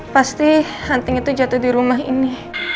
pasti hunting itu jatuh di rumah ini